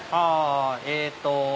えっと。